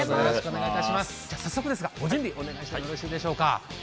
早速ですがご準備をお願いしてもよろしいでしょうか。